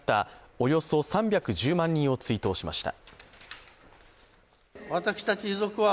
およそ３１０万人を追悼しました。